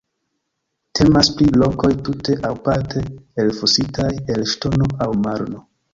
Temas pri lokoj tute aŭ parte elfositaj el ŝtono aŭ marno.